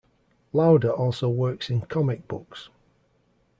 Lowder also works in comic books.